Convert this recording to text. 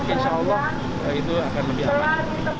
insya allah itu akan lebih aman